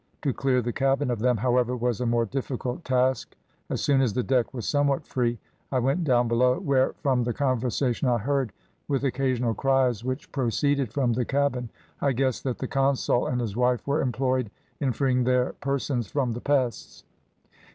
To clear the cabin of them, however, was a more difficult task; as soon as the deck was somewhat free, I went down below, where, from the conversation I heard, with occasional cries which proceeded from the cabin, I guessed that the consul and his wife were employed in freeing their persons from the pests.